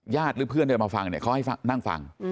ญาติหรือเพื่อนเดินมาฟังเขาให้นั่งฟัง